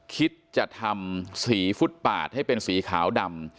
คิดจะทำสีฟุตปาดให้เป็นสีขาวดำ